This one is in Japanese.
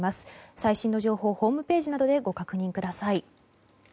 最新の情報をホームページなどでご確認ください。